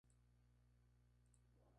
Fue creada por el profesor Leopoldo Di Salvo.